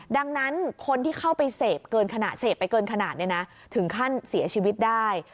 ดังนั้นคนที่เข้าไปเสพเกินขณะเสพไปเกินขนาดถึงขั้นเสียชีวิตได้